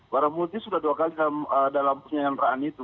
para multi sudah dua kali dalam penyanderaan itu